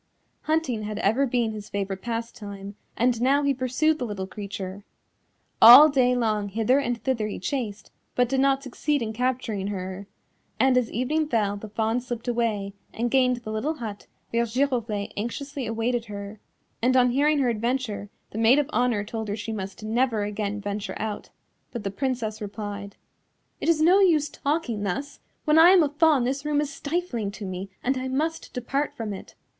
Hunting had ever been his favourite pastime, and now he pursued the little creature. All day long hither and thither he chased, but did not succeed in capturing her, and as evening fell the Fawn slipped away and gained the little hut where Giroflée anxiously awaited her, and on hearing her adventure the Maid of Honour told her she must never again venture out, but the Princess replied: "It is no use talking thus, when I am a Fawn this room is stifling to me and I must depart from it."